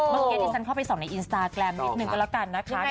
เมื่อกี้ที่ฉันเข้าไปส่องในอินสตาแกรมนิดนึงก็แล้วกันนะคะ